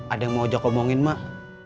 ada yang mau jakobongin mak